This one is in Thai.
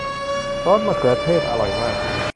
ซอสมะเขือเทศอร่อยมาก